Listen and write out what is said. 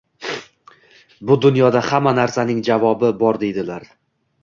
Bu dunyoda hamma narsaning javobi bor deydilar.